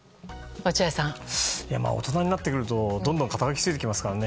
おじさんになってくるとどんどん肩書がついてきますからね。